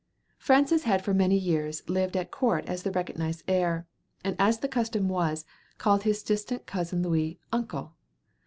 Francis had for many years lived at court as the recognized heir, and as the custom was, called his distant cousin Louis, "Uncle."